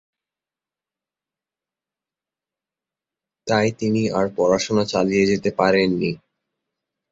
তাই তিনি আর পড়াশোনা চালিয়ে যেতে পারেননি।